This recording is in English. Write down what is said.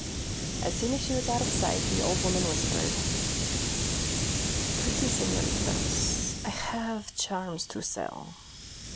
As soon as she was out of sight, the old woman whispered: "Pretty señoritas, I have charms to sell.